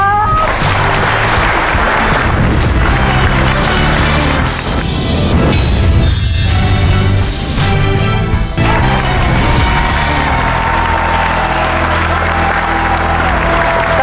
ขอบคุณครับ